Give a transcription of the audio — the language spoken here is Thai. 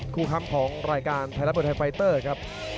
ค้ำของรายการไทยรัฐมวยไทยไฟเตอร์ครับ